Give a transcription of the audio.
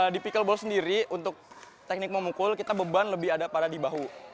di pickleball sendiri untuk teknik memukul kita beban lebih ada pada di bahu